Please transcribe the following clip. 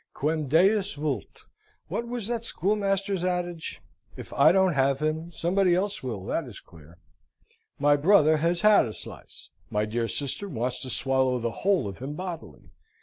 'Quem deus vult' what was that schoolmaster's adage? If I don't have him, somebody else will, that is clear. My brother has had a slice; my dear sister wants to swallow the whole of him bodily.